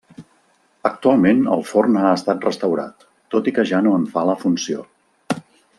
Actualment el forn ha estat restaurat, tot i que ja no en fa la funció.